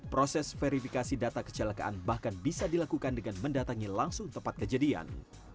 proses verifikasi data kecelakaan bahkan bisa dilakukan dengan mendatangi langsung tempat kejadian